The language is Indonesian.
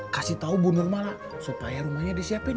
kasih tau bu nurmala supaya rumahnya disiapin